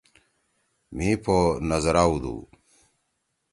مھی پو نَظرا ہودُو۔